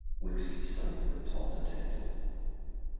Wixy studied the tall detective.